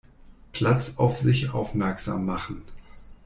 Platz auf sich aufmerksam machen.